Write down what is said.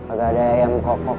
agak ada ayam kok kok lagi